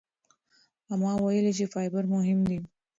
اما ویلي چې فایبر مهم دی.